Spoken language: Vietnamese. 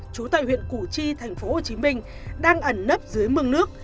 trú tại huyện củ chi tp hcm đang ẩn nấp dưới mương nước